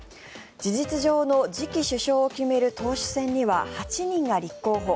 事実上の次期首相を決める党首選には８人が立候補。